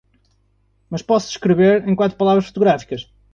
mas posso descrever, em quatro palavras fotográficas